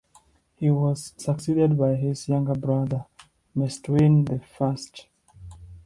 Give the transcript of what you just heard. He was succeeded by his younger brother Mestwin the First.